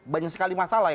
banyak sekali masalah